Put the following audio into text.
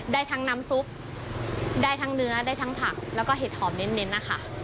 ได้ทั้งน้ำซุปได้ทั้งเนื้อได้ทั้งผักแล้วก็เห็ดหอมเน้นนะคะ